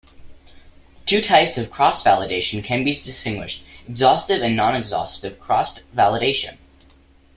Two types of cross-validation can be distinguished, exhaustive and non-exhaustive cross-validation.